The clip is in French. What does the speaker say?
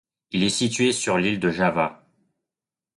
Il est situé sur l'île de Java.